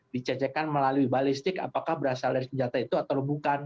dicecehkan melalui balistik apakah berasal dari senjata itu atau bukan